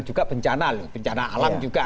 juga bencana loh bencana alam juga